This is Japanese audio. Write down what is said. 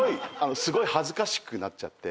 ⁉すごい恥ずかしくなって。